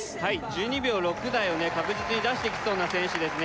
１２秒６台を確実に出してきそうな選手ですね